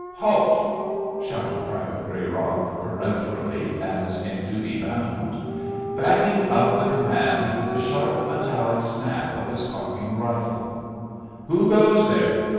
"Halt!" shouted Private Grayrock, peremptorily as in duty bound, backing up the command with the sharp metallic snap of his cocking rifle "who goes there?"